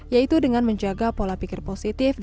yaitu dengan menjaga pola pikir positif